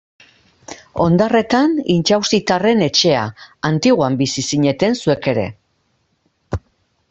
Ondarretan Intxaustitarren etxea, Antiguan bizi zineten zuek ere.